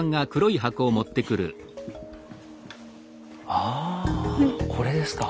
ああこれですか。